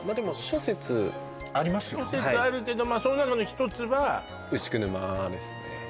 諸説あるけどその中の一つは牛久沼ですね